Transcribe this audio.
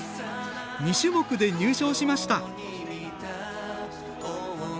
２種目で入賞しました。